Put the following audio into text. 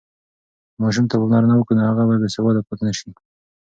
که ماشوم ته پاملرنه وکړو، نو هغه به بېسواده پاتې نه سي.